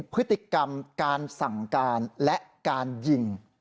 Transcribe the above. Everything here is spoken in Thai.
พฤติกรรมการสั่งการและการยิง